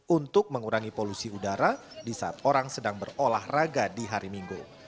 untuk mengurangi polusi udara di saat orang sedang berolahraga di hari minggu